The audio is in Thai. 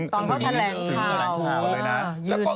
ตอนนี้เขาแถลงข่าว